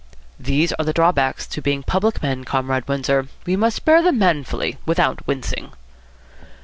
"These are the drawbacks to being public men, Comrade Windsor. We must bear them manfully, without wincing."